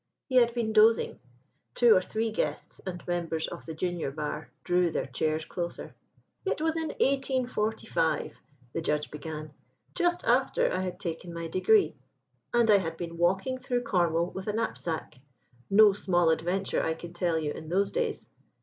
He had been dozing. Two or three guests and members of the Junior Bar drew their chairs closer. "It was in 1845," the Judge began, "just after I had taken my degree, and I had been walking through Cornwall with a knapsack no small adventure, I can tell you, in those days.